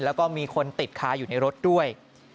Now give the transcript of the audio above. แล้วก็มีคนติดคาอยู่ในรถด้วย